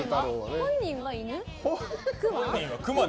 本人は犬？